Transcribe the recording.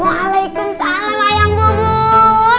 walaikumsalam ayah gubul